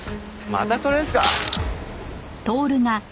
またそれですか？